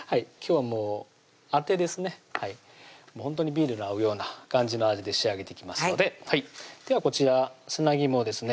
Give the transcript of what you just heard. ビールに合うような感じの味で仕上げていきますのでではこちら砂肝ですね